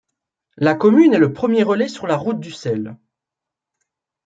La commune est le premier relais sur la route du sel.